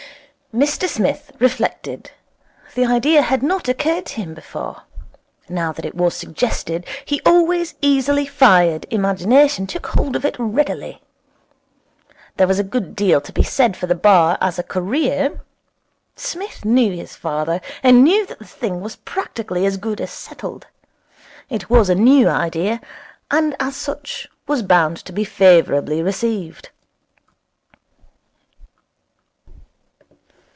Mr Smith reflected. The idea had not occurred to him before. Now that it was suggested, his always easily fired imagination took hold of it readily. There was a good deal to be said for the Bar as a career. Psmith knew his father, and he knew that the thing was practically as good as settled. It was a new idea, and as such was bound to be favourably received.